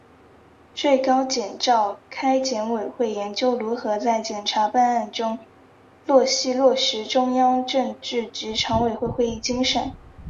最高检召开检委会研究如何在检察办案中落细落实中央政治局常委会会议精神